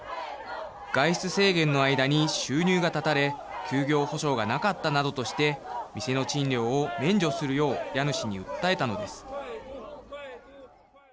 外出制限の間に収入が断たれ休業補償がなかったなどとして店の賃料を免除するよう家主に訴えたのです。